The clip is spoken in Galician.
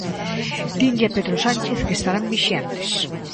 Dinlle a Pedro Sánchez que estarán vixiantes.